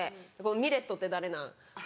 「ミレットって誰なん？